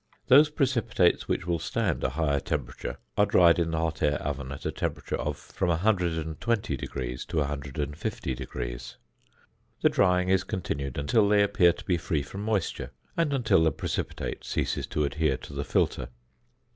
Those precipitates which will stand a higher temperature are dried in the hot air oven at a temperature of from 120° to 150°. The drying is continued until they appear to be free from moisture, and until the precipitate ceases to adhere to the filter.